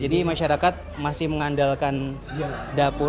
jadi masyarakat masih mengandalkan dapur umum